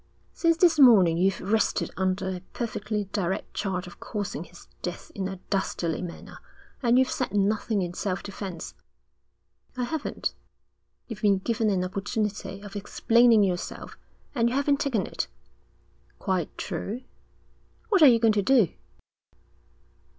'Since this morning you've rested under a perfectly direct charge of causing his death in a dastardly manner. And you've said nothing in self defence.' 'I haven't.' 'You've been given an opportunity of explaining yourself, and you haven't taken it.' 'Quite true.' 'What are you going to do?'